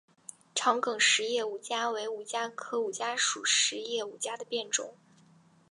长梗匙叶五加为五加科五加属匙叶五加的变种。